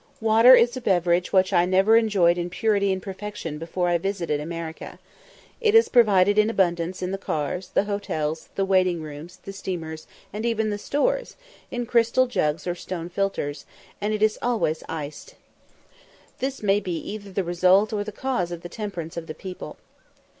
Water is a beverage which I never enjoyed in purity and perfection before I visited America. It is provided in abundance in the cars, the hotels, the waiting rooms, the steamers, and even the stores, in crystal jugs or stone filters, and it is always iced. This may be either the result or the cause of the temperance of the people.